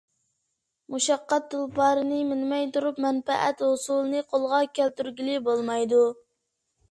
مۇشەققەت تۇلپارىنى مىنمەي تۇرۇپ مەنپەئەت ھوسۇلىنى قولغا كەلتۈرگىلى بولمايدۇ.